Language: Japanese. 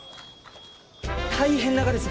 大変ながです！